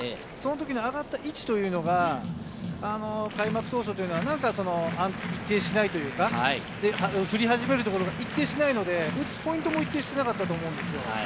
上がった位置が開幕当初は安定しないというか、振り始めるところが一定しないので打つポイントも一定しなかったと思うんです。